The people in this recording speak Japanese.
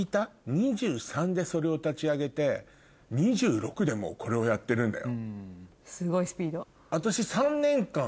２３でそれを立ち上げて２６でもうこれをやってるんだよ。